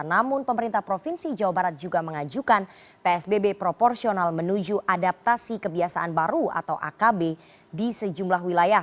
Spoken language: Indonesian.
namun pemerintah provinsi jawa barat juga mengajukan psbb proporsional menuju adaptasi kebiasaan baru atau akb di sejumlah wilayah